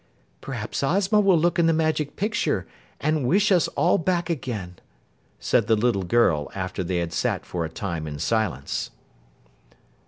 "Perhaps Ozma will look in the Magic Picture and wish us all back again," said the little girl after they had sat for a time in silence.